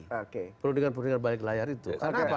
oke perundingan perundingan balik layar itu